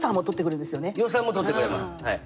予算もとってくれますはい。